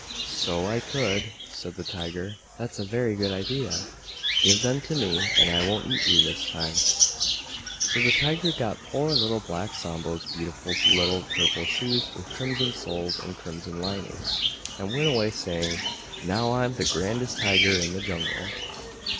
"So I could," said the Tiger: "that's a very good idea. Give them to me, and I won't eat you this time." So the Tiger got poor Little Black Sambo's beautiful little Purple Shoes with Crimson Soles and Crimson Linings, and went away saying, "Now I'm the grandest Tiger in the Jungle."